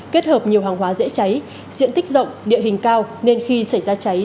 kết hợp nhiều hàng hóa dễ cháy diện tích rộng địa hình cao nên khi xảy ra cháy